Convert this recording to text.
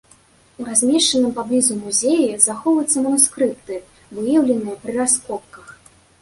У размешчаным паблізу музеі захоўваюцца манускрыпты, выяўленых пры раскопках.